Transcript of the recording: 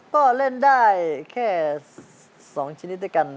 ก็เล่นได้แค่๒ชนิดด้วยกัน